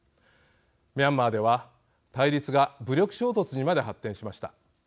ミャンマーでは対立が武力衝突にまで発展しました。